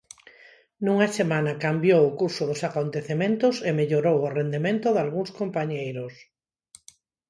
Nunha semana cambiou o curso dos acontecementos e mellorou o rendemento dalgúns compañeiros.